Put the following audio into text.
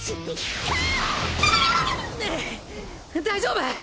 大丈夫？